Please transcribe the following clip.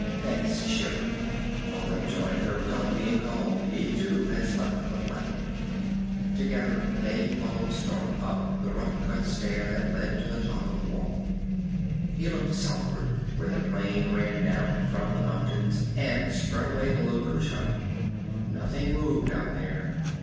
Thanis shivered. Balin joined her without being called. He, too, had slept but lightly. Together they followed Stark up the rough cut stair that led to the top of the Wall. He looked southward, where the plain ran down from the mountains and spread away below Kushat. Nothing moved out there.